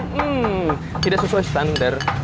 hmmm tidak sesuai standar